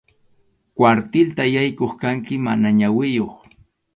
Kwartilta yaykuq kanki mana ñawiyuq.